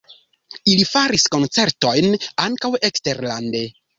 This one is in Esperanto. Ili faris koncertojn ankaŭ eksterlande.